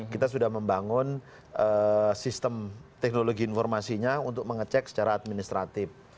kita sudah membangun sistem teknologi informasinya untuk mengecek secara administratif